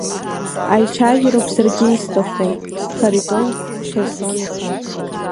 Аицәажәароуп саргьы исҭаху, Харитон Хьырсон-иԥа…